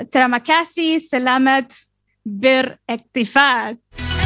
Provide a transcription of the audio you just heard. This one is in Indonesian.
terima kasih selamat beraktifitas